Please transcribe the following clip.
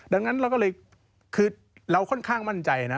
ดังนั้นเราก็เลยคือเราค่อนข้างมั่นใจนะ